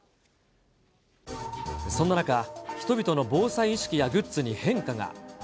そんな中、人々の防災意識やグッズに変化が。